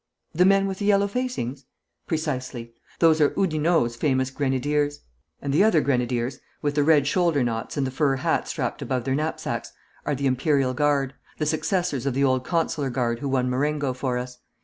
'The men with the yellow facings?' 'Precisely. Those are Oudinot's famous grenadiers. And the other grenadiers, with the red shoulder knots and the fur hats strapped above their knapsacks, are the Imperial Guard, the successors of the old Consular Guard who won Marengo for us.